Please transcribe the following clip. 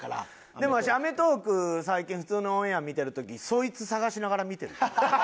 でもわし『アメトーーク』最近普通のオンエア見てる時そいつ探しながら見てる。